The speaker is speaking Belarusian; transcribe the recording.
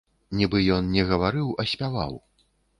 Нібы ён не гаварыў, а спяваў.